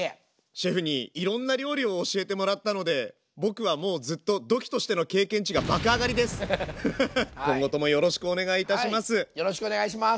シェフにいろんな料理を教えてもらったので僕はもうずっと今後ともよろしくお願いいたします。